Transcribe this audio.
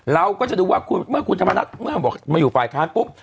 เราก็จะดูว่าเมื่อคุณธรรมนัฐเมื่อบอกมาอยู่ฝ่ายค้านปุ๊บ